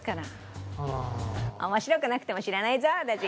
面白くなくても知らないぞ私。